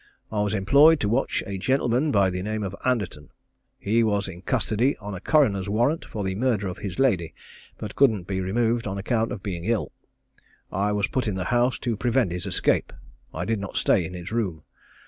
I was employed to watch a gentleman by the name of Anderton. He was in custody on a coroner's warrant for the murder of his lady, but couldn't be removed on account of being ill. I was put in the house to prevent his escape. I did not stay in his room.